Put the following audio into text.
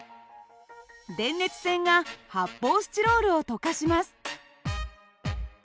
電熱線が発泡スチロールを溶かします。